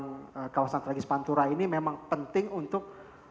kawasan tragis pantura ini memang penting untuk